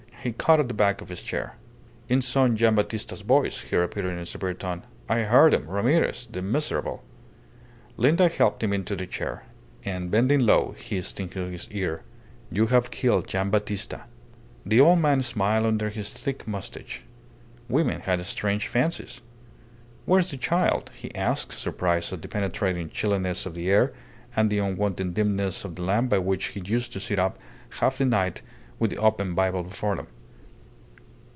He caught at the back of his chair. "In son Gian' Battista's voice," he repeated in a severe tone. "I heard him Ramirez the miserable " Linda helped him into the chair, and, bending low, hissed into his ear "You have killed Gian' Battista." The old man smiled under his thick moustache. Women had strange fancies. "Where is the child?" he asked, surprised at the penetrating chilliness of the air and the unwonted dimness of the lamp by which he used to sit up half the night with the open Bible before him.